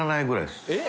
┐えっ？